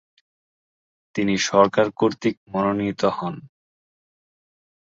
তিনি সরকার কর্তৃক মনোনিত হন।